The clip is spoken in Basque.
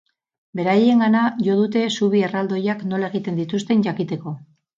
Beraiengana jo dute zubi erraldoiak nola egiten dituzten jakiteko.